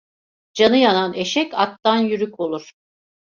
Canı yanan eşek attan yürük olur.